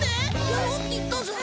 やろうって言ったじゃん